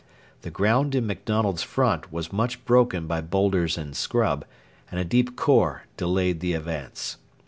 The ground in MacDonald's front was much broken by boulders and scrub, and a deep khor delayed the advance.